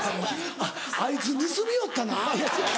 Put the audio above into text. あいつ盗みよったな？